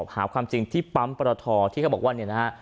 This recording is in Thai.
หาความจริงที่ปั๊มประทอที่เขาบอกว่า